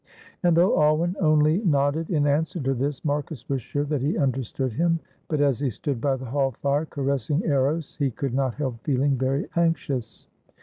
And though Alwyn only nodded in answer to this, Marcus was sure that he understood him; but as he stood by the hall fire caressing Eros he could not help feeling very anxious.